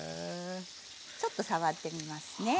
ちょっと触ってみますね。